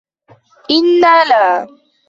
إنَّا لَا